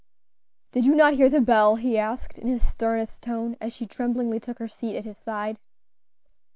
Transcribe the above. "Did you not hear the bell?" he asked, in his sternest tone, as she tremblingly took her seat at his side.